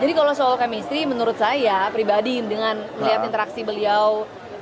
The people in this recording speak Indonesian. jadi kalau soal kemistri menurut saya pribadi dengan melihat interaksi beliau